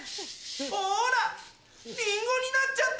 ほらリンゴになっちゃった。